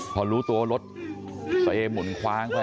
พอรู้ตัวรถเสมหมุนคว้างไป